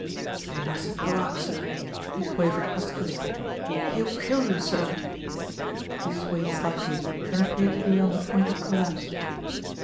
"You mustn't go out, sir," he quavered huskily. "He'll kill you, sir." He swayed slightly, and ap peared to be on the point of collapse.